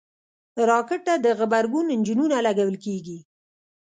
راکټ ته د غبرګون انجنونه لګول کېږي